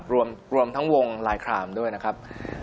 รวมทั้งวงลายครามด้วยนะครับ